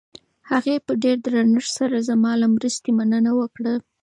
هغې په ډېر درنښت سره زما له مرستې مننه وکړه.